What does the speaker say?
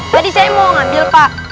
tadi saya mau ngambil pak